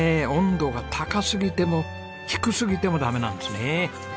温度が高すぎても低すぎてもダメなんですね。